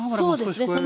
そうですね。